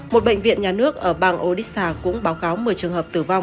một bệnh viện nhà nước ở bang odisha cũng báo cáo một mươi trường hợp tử vong